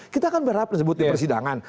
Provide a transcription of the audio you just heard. kita kan berharap disebut di persidangan